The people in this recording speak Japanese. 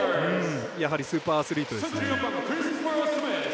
やはりスーパーアスリートですね。